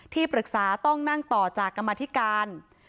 ที่ปรึกษาต้องนั่งต่อจากกรรมธิการ